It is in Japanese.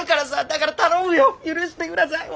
だから頼むよ許してください。